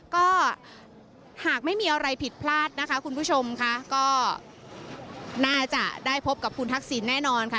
ก็หากไม่มีอะไรผิดพลาดนะคะคุณผู้ชมค่ะก็น่าจะได้พบกับคุณทักษิณแน่นอนค่ะ